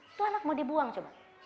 itu anak mau dibuang coba